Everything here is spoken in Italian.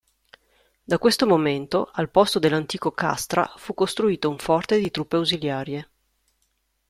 Da questo momento al posto dell'antico castra fu costruito un forte di truppe ausiliarie.